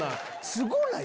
すごない？